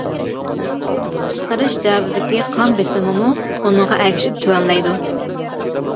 قىسقىرىش دەۋرىدىكى قان بېسىمىمۇ ئۇنىڭغا ئەگىشىپ تۆۋەنلەيدۇ.